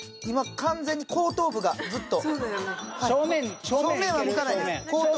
今完全に後頭部がずっと正面は向かないです